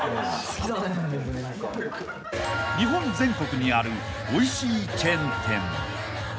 ［日本全国にあるおいしいチェーン店］